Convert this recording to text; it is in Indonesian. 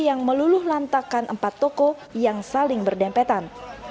yang meluluh lantakan empat toko yang saling berdempetan